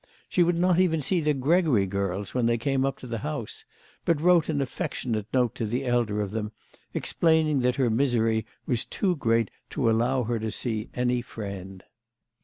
She would not even see the Gregory girls when they came up to the house, but wrote an aflfectionate note to the elder of them explaining that her misery was too great to allow her to see any friend.